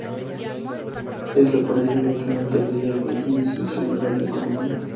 Es la pareja sentimental de Jeanne Lazarus, socióloga de la economía.